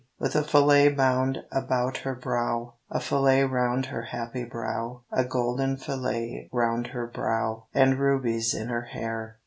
With a fillet bound about her brow, A fillet round her happy brow, A golden fillet round her brow, And rubies in her hair.